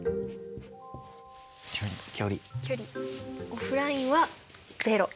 オフラインはゼロ。